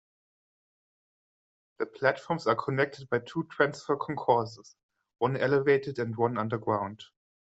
The platforms are connected by two transfer concourses, one elevated and one underground.